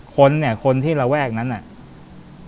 คนเนี่ยคนที่ระแวกนั้นน่ะ